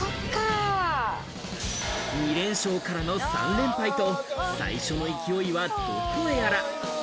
２連勝からの３連敗と、最初の勢いはどこへやら。